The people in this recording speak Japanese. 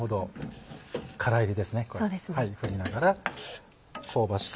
振りながら香ばしく